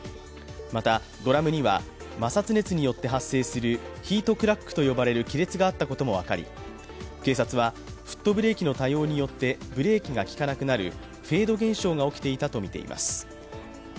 また、ドラムには摩擦熱によって発生するヒートクラックと呼ばれる亀裂があったことも分かり、警察はフットブレーキの多用によってブレーキが利かなくなるフェード現象が起きていたとみています。